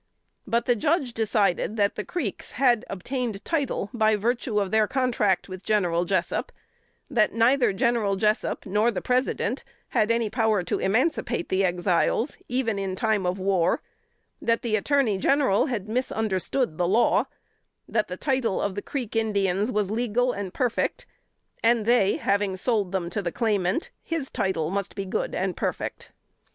But the Judge decided that the Creeks had obtained title by virtue of their contract with General Jessup; that neither General Jessup, nor the President, had power to emancipate the Exiles, even in time of war; that the Attorney General had misunderstood the law; that the title of the Creek Indians was legal and perfect; and they, having sold them to the claimant, his title must be good and perfect.